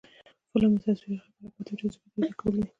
فلم د تصویر، غږ، حرکت او جذابیت یو ځای کول دي